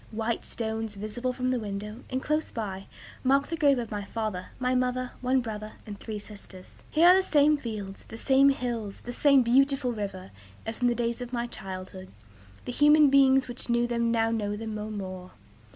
White stones, visible from the window, and close by, mark the grave of my father, my mother, one brother, and three sisters. Here are the same fields, the same hills, the same beautiful river, as in the days of my childhood. The human beings which knew them now know them no more.